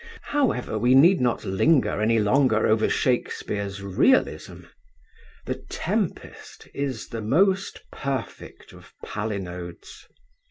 However, we need not linger any longer over Shakespeare's realism. The Tempest is the most perfect of palinodes.